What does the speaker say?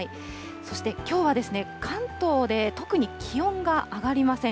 そしてきょうは、関東で特に気温が上がりません。